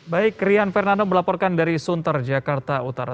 baik rian fernando melaporkan dari sunter jakarta utara